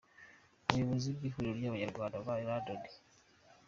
Umuyobozi w’Ihuriro ry’Abanyarwanda baba i London.